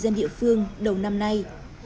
và người dân địa phương đầu năm nay